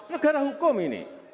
negara hukum ini